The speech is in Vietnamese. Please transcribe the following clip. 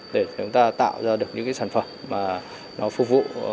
để chúng ta tạo ra được những cái sản phẩm mà nó phục vụ